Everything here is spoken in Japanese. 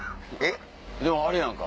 でもあれやんか。